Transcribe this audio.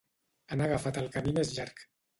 Han agafat el camí més llarg.